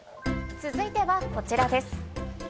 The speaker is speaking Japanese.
続いてはこちらです。